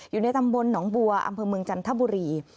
อยู่ในตำบลหนองบัวอำเภอเมืองจันทบุรี